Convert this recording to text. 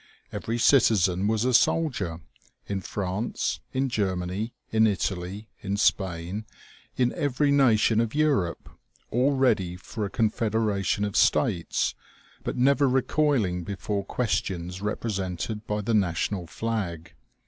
Every citizen was a soldier, in France, in Ger many, in Italy, in Spain, in every nation of Europe all ready for a confederation of States, but never recoiling before questions represented by the national flag.